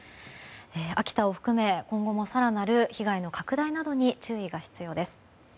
秋田を含め、今後も更なる被害の拡大などに注意が必要です。